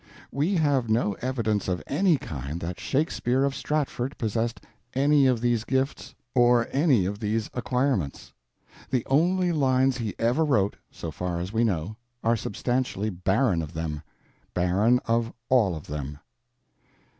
We have no evidence of any kind that Shakespeare of Stratford possessed any of these gifts or any of these acquirements. The only lines he ever wrote, so far as we know, are substantially barren of them—barren of all of them.